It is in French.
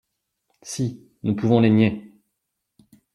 Si, nous pouvons les nier